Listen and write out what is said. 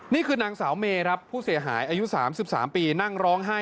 นี่คือนางสาวเมครับผู้เสียหายอายุ๓๓ปีนั่งร้องไห้